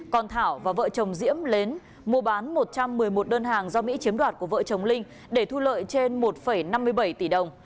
còn thảo và vợ chồng diễm lến mua bán một trăm một mươi một đơn hàng do mỹ chiếm đoạt của vợ chồng linh để thu lợi trên một năm mươi bảy tỷ đồng